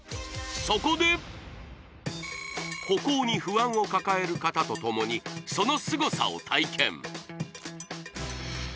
そこで歩行に不安を抱える方とともにそのすごさを体験